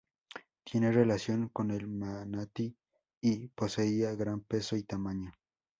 Tiene relación con el manatí y poseía gran peso y tamaño.